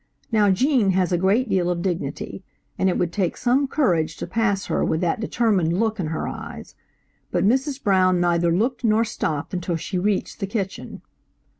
Now Gene has a great deal of dignity, and it would take some courage to pass her with that determined look in her eyes, but Mrs. Brown neither looked nor stopped until she reached the kitchen.